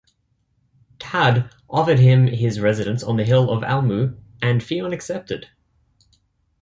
Tadg offered him his residence on the hill of Almu, and Fionn accepted.